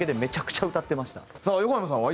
さあ横山さんは？